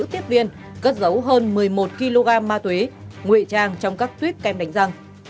các nữ tiếp viên cất giấu hơn một mươi một kg ma túy nguệ trang trong các tuyết kem đánh răng